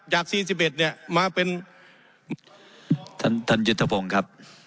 จากสี่สิบเอ็ดเนี้ยมาเป็นท่านท่านจุธภงครับ